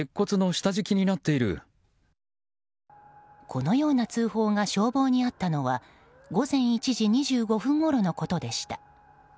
このような通報が消防にあったのは午前１時２５分ごろのことでした。